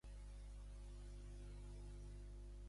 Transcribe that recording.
Una còpia, una traducció fidels.